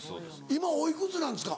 今おいくつなんですか？